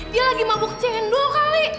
dia lagi mabuk cendol kali